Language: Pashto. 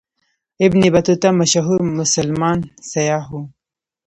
ابن بطوطه مشهور مسلمان سیاح و.